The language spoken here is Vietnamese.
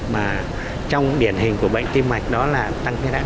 mà trong điển hình của bệnh tiêm mạch đó là tăng huyết áp